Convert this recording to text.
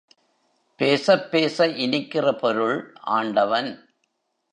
பேசப் பேச இனிக்கிற பொருள் ஆண்டவன்.